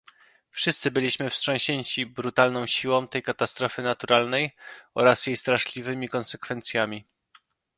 Wszyscy byliśmy wstrząśnięci brutalną siłą tej katastrofy naturalnej oraz jej straszliwymi konsekwencjami